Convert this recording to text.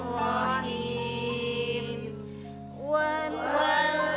sampai jumpa di video selanjutnya